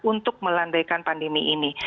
untuk melandaikan pandemi ini